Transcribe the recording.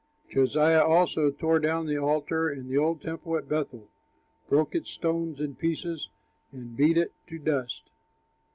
Josiah also tore down the altar and the old temple at Bethel, broke its stones in pieces, and beat it to dust.